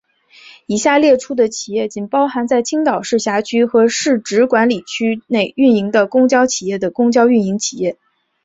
以下列出的企业仅包含在青岛市辖区和市直管理区内运营的公交企业的公交运营企业。